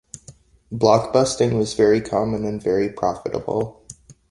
Blockbusting was very common and very profitable.